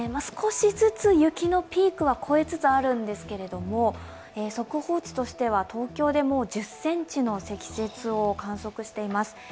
少しずつ雪のピークは越えつつあるんですが速報値としては東京で１０ｃｍの積雪を観測しています。